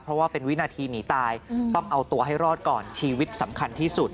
เพราะว่าเป็นวินาทีหนีตายต้องเอาตัวให้รอดก่อนชีวิตสำคัญที่สุด